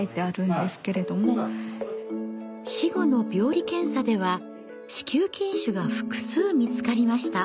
死後の病理検査では子宮筋腫が複数見つかりました。